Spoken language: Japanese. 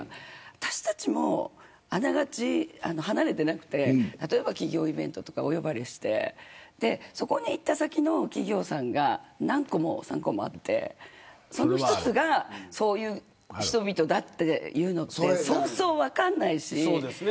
私たちも、あながち離れてなくて例えば企業イベントにお呼ばれしてそこに行った先の企業さんが何個もあって、その一つがそういう人々だっていうのってそうそう分からないし。